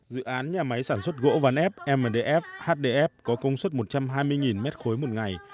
dự án nhà máy sản xuất gỗ ván ép mdf hdf có công suất một trăm hai mươi m ba một ngày